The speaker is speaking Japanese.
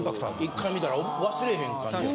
１回見たら忘れへん感じやもん。